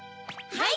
はい！